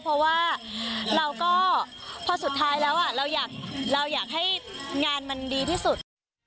เพราะว่าเราก็พอสุดท้ายแล้วเราอยากให้งานมันดีที่สุด